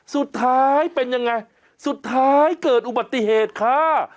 สุดท้ายเป็นยังไงสุดท้ายเกิดอุบัติเหตุค่ะ